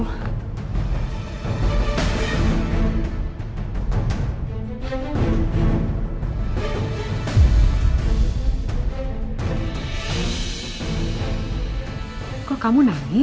masih waktu pengen nunggu